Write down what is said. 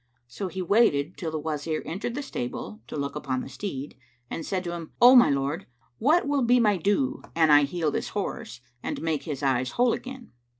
So he waited till the Wazir entered the stable, to look upon the steed, and said to him, "O my lord, what will be my due, an I heal this horse, and make his eyes whole again?"